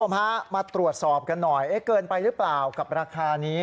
ฮะมาตรวจสอบกันหน่อยเกินไปหรือเปล่ากับราคานี้